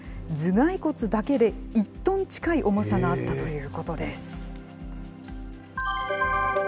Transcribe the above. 頭蓋骨だけで、１トン近い重さがあったということです。